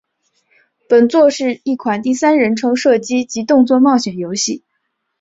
本作是一款第三人称射击及动作冒险游戏。